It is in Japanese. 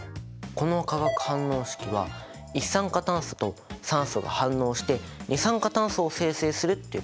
この化学反応式は一酸化炭素と酸素が反応して二酸化炭素を生成するっていうことだよね。